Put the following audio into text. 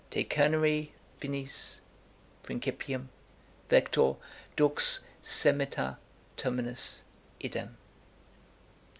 Te cernere finis, Principium, vector, dux, semita, terminus, idem.'